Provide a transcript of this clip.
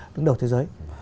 đứng đầu thế giới